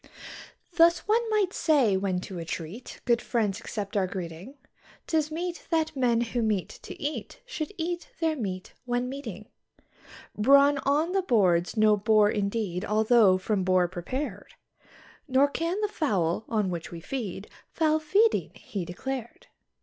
Thus, one might say, when to a treat good friends accept our greeting, 'Tis meet that men who meet to eat should eat their meat when meeting. Brawn on the board's no bore indeed although from boar prepared; Nor can the fowl, on which we feed, foul feeding he declared.